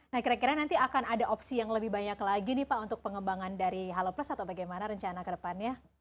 nah kira kira nanti akan ada opsi yang lebih banyak lagi nih pak untuk pengembangan dari halo plus atau bagaimana rencana ke depannya